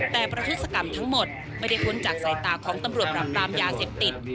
แต่ประทุศกรรมทั้งหมดไม่ได้พ้นจากสายตาของตำรวจปรับปรามยาเสพติด